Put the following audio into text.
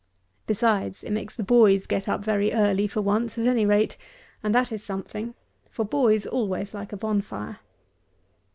Besides, it makes the boys get up very early for once at any rate, and that is something; for boys always like a bonfire.